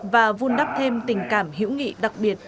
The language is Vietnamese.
và vun đắp thêm tình cảm hữu nghị đặc biệt